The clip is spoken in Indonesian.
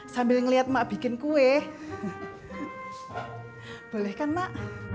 sambil ngelihat mak bikin kue boleh kan mak